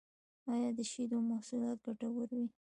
ایا د شیدو محصولات ګټور وی؟